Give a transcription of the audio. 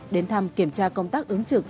đến thăm kiểm tra công tác ứng trực